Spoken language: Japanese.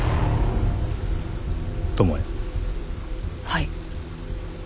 はい。